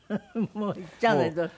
もう言っちゃうのよどうしても。